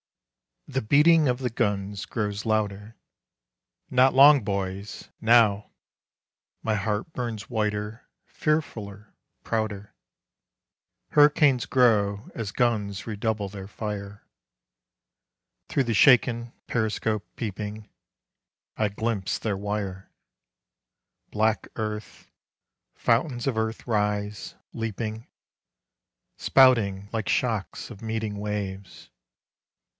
The beating of the guns grows louder. "Not long, boys, now." My heart burns whiter, fearfuller, prouder. Hurricanes grow As guns redouble their fire. Through the shaken periscope peeping, I glimpse their wire: Black earth, fountains of earth rise, leaping, Spouting like shocks of meeting waves.